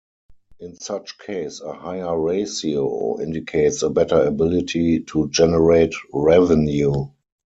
In such case a higher ratio indicates a better ability to generate revenue.